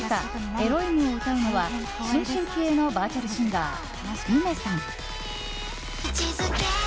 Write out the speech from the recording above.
「えろいむ」を歌うのは新進気鋭のバーチャルシンガー理芽さん。